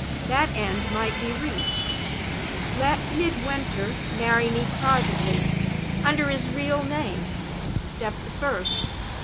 that end might be reached. Let Midwinter marry me privately, under his real name step the first!